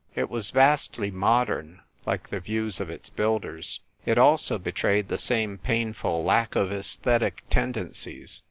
It was vastly modern, like the views of its builders ; it also betrayed the same painful lack of aesthetic tendencies.